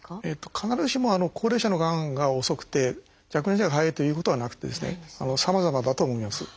必ずしも高齢者のがんが遅くて若年者が早いというということはなくてさまざまだと思います。